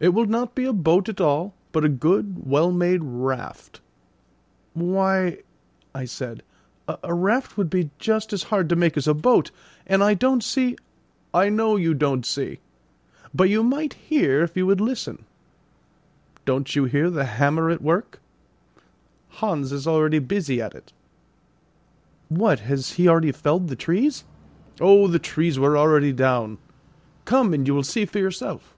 "It will not be a boat at all, but a good, well made raft." "Why," I said, "a raft would be just as hard to make as a boat, and I don't see " "I know you don't see; but you might hear if you would listen. Don't you hear the hammer at work? Hans is already busy at it." "What, has he already felled the trees?" "Oh, the trees were already down. Come, and you will see for yourself."